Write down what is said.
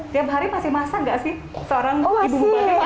tiap hari masih masak nggak sih seorang ibu